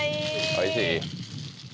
おいしい？